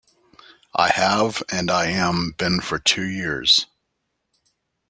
I have, and I am — been for two years.